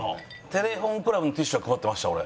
テレフォンクラブのティッシュは配ってました俺。